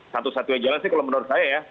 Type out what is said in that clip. satu satunya jalan sih kalau menurut saya ya